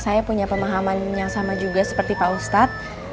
saya punya pemahaman yang sama juga seperti pak ustadz